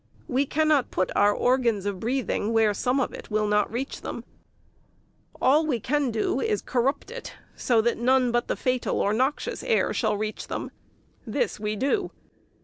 We cannot put our organs of breathing where some of it will not reach them. All we can do is to corrupt it, so that none but fatal or noxious air shall reach them. This we do.